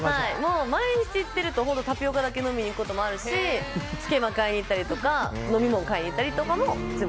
毎日行ってるとタピオカだけ飲みに行くこともあるしつけま買いに行ったりとか飲み物買いに行ったりとかも。